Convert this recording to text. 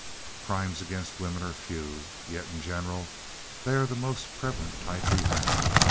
"Crimes against women are few, yet in general they are the most prevalent type we have.